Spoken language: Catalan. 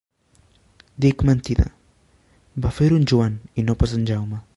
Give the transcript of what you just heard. Dic mentida: va fer-ho en Joan, i no pas en Jaume.